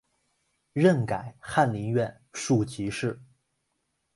任改翰林院庶吉士。